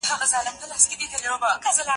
د ساقي په هر یو وار یې ګوتې ګرځي